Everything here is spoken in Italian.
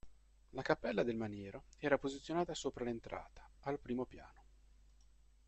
La cappella del maniero era posizionata sopra l'entrata, al primo piano.